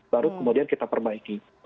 baru kemudian kita perbaiki